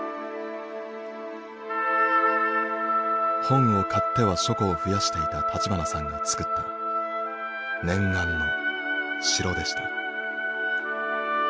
本を買っては書庫を増やしていた立花さんが作った念願の城でした。